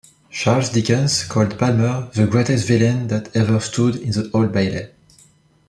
Charles Dickens called Palmer "the greatest villain that ever stood in the Old Bailey".